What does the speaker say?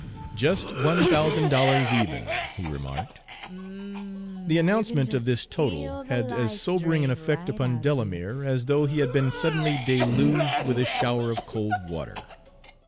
"Just one thousand dollars even," he remarked. The announcement of this total had as sobering an effect upon Delamere as though he had been suddenly deluged with a shower of cold water.